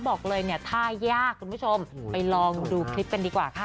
บอกเลยเนี่ยท่ายากคุณผู้ชมไปลองดูคลิปกันดีกว่าค่ะ